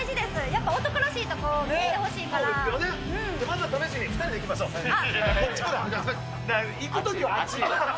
やっぱ男らしいところ見せてほしいから。